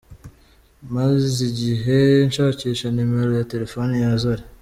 Maze igihe nshakisha nimero ya telefoni ya Zari.